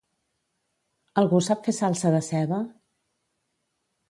Algú sap fer salsa de ceba?